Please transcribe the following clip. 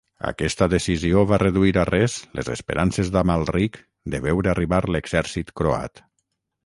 Aquesta decisió va reduir a res les esperances d'Amalric de veure arribar l'exèrcit croat.